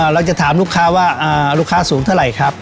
เราจะถามลูกค้าว่าลูกค้าสูงเท่าไหร่ครับ